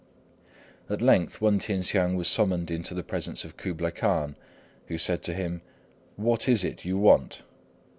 At length, Wên T'ien hsiang was summoned into the presence of Kublai Khan, who said to him, "What is it you want?"